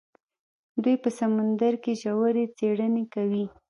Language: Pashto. دوی په سمندر کې ژورې څیړنې کوي.